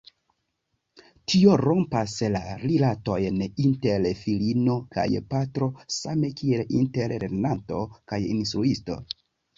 Tio rompas la rilatojn inter filino kaj patro same kiel inter lernanto kaj instruisto.